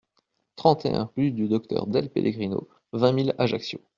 trente et un rue Docteur Dell Pellegrino, vingt mille Ajaccio